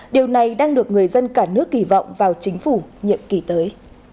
điều này đang được người dân cả nước kỳ vọng vào chính phủ nhiệm kỳ tới